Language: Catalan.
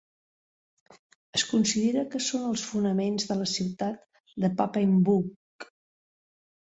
Es considera que són els fonaments de la ciutat de Papenburg.